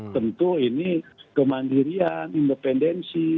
tentu ini kemandirian independensi